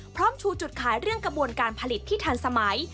ชูจุดขายเรื่องกระบวนการผลิตที่ทันสมัย